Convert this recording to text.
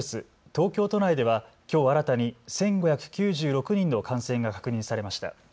東京都内ではきょう新たに１５９６人の感染が確認されました。